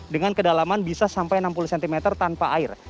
dengan kedalaman bisa sampai enam puluh cm tanpa air